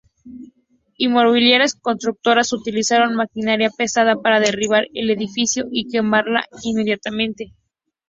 Inmobiliarias constructoras utilizaron maquinaria pesada para derribar el edificio y quemarla inmediatamente.